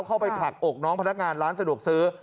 ไปผลักอกน้องพนักงานร้านสะดวกซื้อ